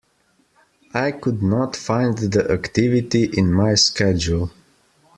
I could not find the activity in my Schedule.